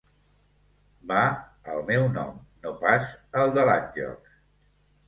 Va al meu nom, no pas al de l'Àngels.